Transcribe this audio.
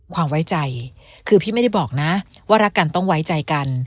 ไว้ใจคือพี่ไม่ได้บอกนะว่ารักกันต้องไว้ใจกัน